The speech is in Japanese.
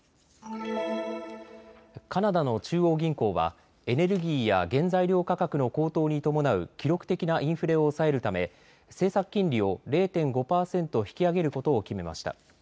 カナダの中央銀行はエネルギーや原材料価格の高騰に伴う記録的なインフレを抑えるため政策金利を０．５％引き上げることを決めました。